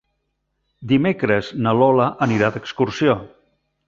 Dimecres na Lola anirà d'excursió.